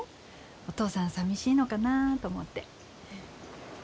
お父さんさみしいのかなと思って。